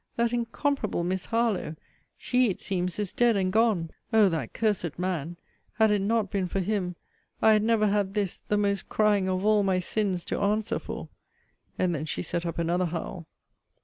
that incomparable Miss Harlowe! she, it seems, is dead and gone! O that cursed man! Had it not been for him! I had never had this, the most crying of all my sins, to answer for! And then she set up another howl.